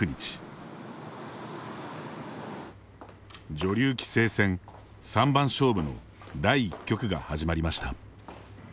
女流棋聖戦、三番勝負の第一局が始まりました。